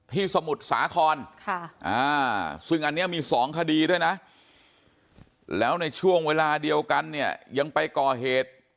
สมุทรสาครซึ่งอันนี้มี๒คดีด้วยนะแล้วในช่วงเวลาเดียวกันเนี่ยยังไปก่อเหตุ